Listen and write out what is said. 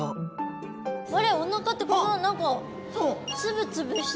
あれお腹ってこんな何かつぶつぶした。